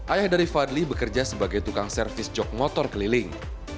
ayah dari fadli bekerja sebagai tukang servis jok motor keliling